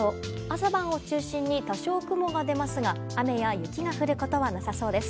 朝晩を中心に多少、雲が出ますが雨や雪が降ることはなさそうです。